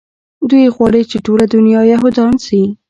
دوى غواړي چې ټوله دونيا يهودان شي.